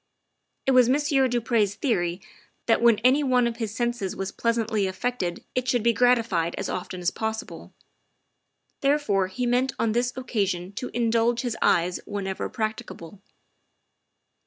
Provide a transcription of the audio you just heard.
It was Monsieur du Pre's theory that when any one of his senses was pleasantly affected it should be gratified as often as possible; therefore he meant on this occasion to indulge his eyes whenever prac ticable.